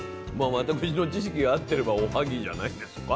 私の知識が合ってればおはぎじゃないですか？